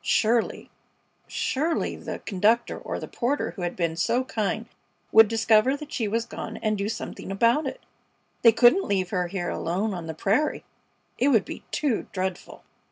Surely, surely the conductor, or the porter who had been so kind, would discover that she was gone, and do something about it. They couldn't leave her here alone on the prairie! It would be too dreadful!